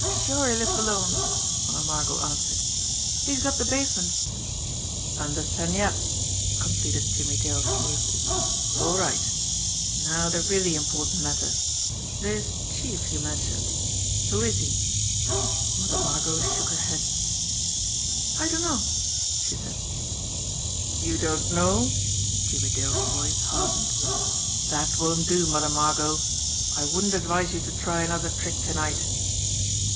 "Sure, he lives alone," Mother Margot answered. "He's got de basement " "Under Sen Yat's," completed Jimmie Dale smoothly. "All right ! Now, the really important matter. This Chief you mentioned who is he?" Mother Margot shook her head. "I dunno," she said. "You don't know !" Jimmie Dale's voice hardened. "That won't do, Mother Margot! I wouldn't advise you to try another trick to night."